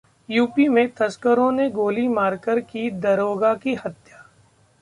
UP में तस्करों ने गोली मारकर की दारोगा की हत्या